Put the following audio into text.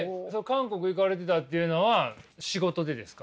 韓国行かれてたっていうのは仕事でですか？